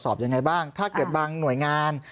ตรวจสอบยังไงบ้างถ้าเกิดบางหน่วยงาน